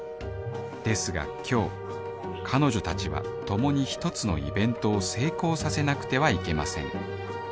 ですが今日彼女たちはともに１つのイベントを成功させなくてはいけません